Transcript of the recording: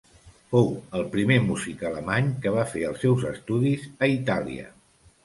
Fou el primer músic alemany que va fer els seus estudis a Itàlia.